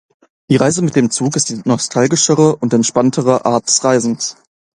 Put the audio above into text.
Die Reise mit dem Zug ist die nostalgischere und entspanntere Art des Reisens.